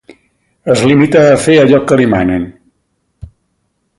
Es limita a fer allò que li manen.